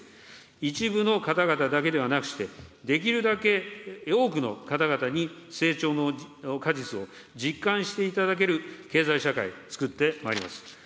一部の方々だけではなくして、できるだけ多くの方々に成長の果実を実感していただける経済社会をつくってまいります。